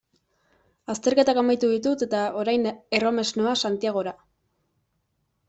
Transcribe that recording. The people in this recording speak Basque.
Azterketak amaitu ditut eta orain erromes noa Santiagora.